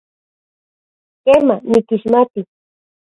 Kema, nikixmati.